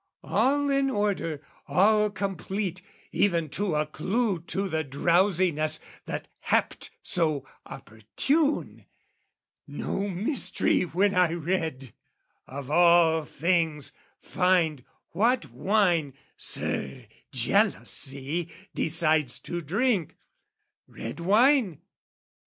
All in order, all complete, even to a clue To the drowsiness that happed so opportune No mystery, when I read "Of all things, find "What wine Sir Jealousy decides to drink "Red wine?